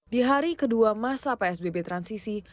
di hari kedua masa psbb transisi